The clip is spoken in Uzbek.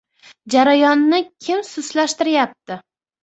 Jarayonni kim sustlashtiryapti?